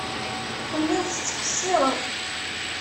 Telliḍ tettqeṣṣireḍ.